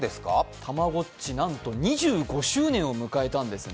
たまごっち、なんと２５周年を迎えたんですね。